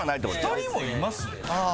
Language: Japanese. ２人もいます？